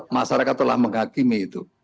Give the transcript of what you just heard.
masyarakat telah menghakimi itu